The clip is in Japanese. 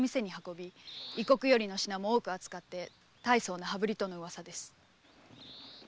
異国よりの品も多く扱ってたいそうな羽振りとの噂です。